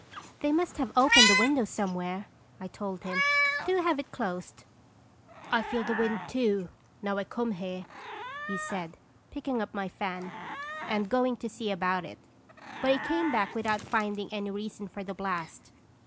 " They must have opened a window some where/' I told him. " Do have it closed." " I feel the wind, too, now I come here," he said, picking up my fan, and going to see about it, but he came back without finding any reason for the blast.